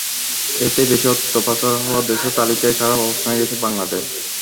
এতে বেশি অর্থ পাচার হওয়া দেশের তালিকায় খারাপ অবস্থানে গেছে বাংলাদেশ।